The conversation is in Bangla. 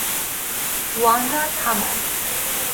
ওয়ান্ডা, থামো।